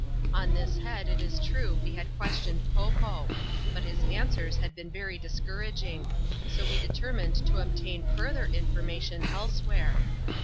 On this head, it is true, we had questioned Po Po ; but his answers had been very discouraging; 80 we determined to obtain further information elsewhere.